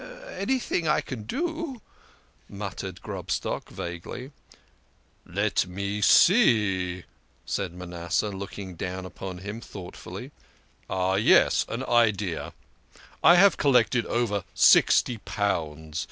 "Anything I can do " muttered Grobstock vaguely. " Let me see !" said Manasseh, looking down upon him thoughtfully. " Ah, yes, an idea ! I have collected over sixty pounds.